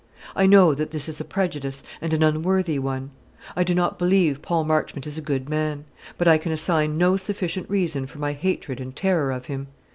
I know that this is a prejudice, and an unworthy one. I do not believe Paul Marchmont is a good man; but I can assign no sufficient reason for my hatred and terror of him.